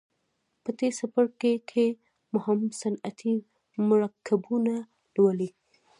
په دې څپرکي کې مهم صنعتي مرکبونه لولئ.